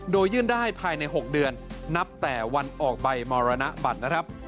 โดยยื่นได้ภายใน๖เดือนนับแต่วันออกใบมรณบัตรนะครับ